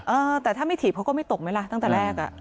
เออแต่ถ้าไม่ถีบเขาก็ไม่ตกไหมล่ะตั้งแต่แรกอ่ะ